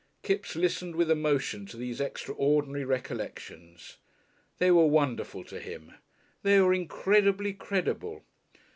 Kipps listened with emotion to these extraordinary recollections. They were wonderful to him, they were incredibly credible.